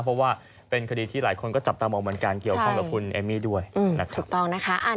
เพราะว่าเป็นคดีที่หลายคนก็จับตามองเหมือนกันเกี่ยวข้องกับคุณเอมมี่ด้วยนะครับถูกต้องนะคะ